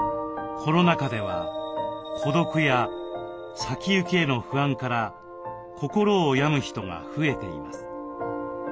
コロナ禍では孤独や先行きへの不安から心を病む人が増えています。